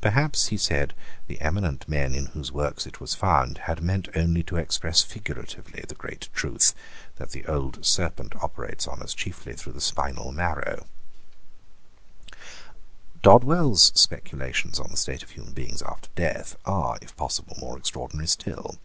Perhaps, he said, the eminent men in whose works it was found had meant only to express figuratively the great truth, that the Old Serpent operates on us chiefly through the spinal marrow, Dodwell's speculations on the state of human beings after death are, if possible, more extraordinary still.